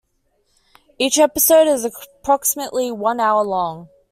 Each episode is approximately one hour long.